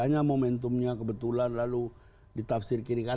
hanya momentumnya kebetulan lalu ditafsir kiri kan